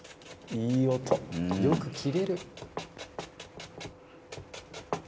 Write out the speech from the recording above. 「いい音」「よく切れる」